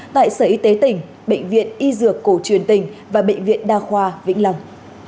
tại sở y tế tỉnh bệnh viện y dược cổ truyền tỉnh và bệnh viện đa khoa vĩnh long